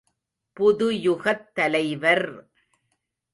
புதுயுகத் தலைவர் ….